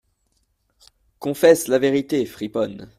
Confesse la vérité, friponne !